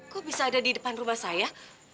kok bisa ada di depan rumah saya